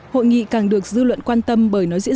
hội nghị càng được dư luận quan tâm bởi nói diễn